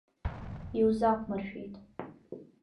Иузақәмыршәеит!